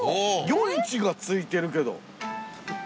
「与一」が付いてるけど。